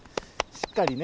しっかりね